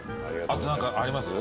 あと何かあります？